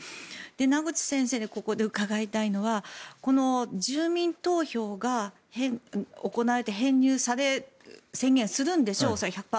名越先生にここで伺いたいのは住民投票が行われて編入を宣言するんでしょう１００％。